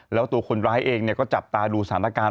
แล้วตัวคนร้ายเองก็จับตาดูสถานการณ์